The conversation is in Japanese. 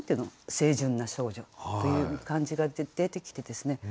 清純な少女という感じが出てきてですね